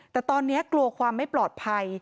แต่ตอนนี้กลัวความไม่ปลอดภัย